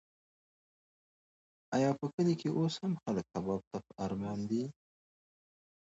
ایا په کلي کې اوس هم خلک کباب ته په ارمان دي؟